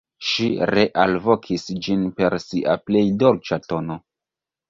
Ŝi realvokis ĝin per sia plej dolĉa tono.